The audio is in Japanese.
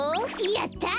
やった！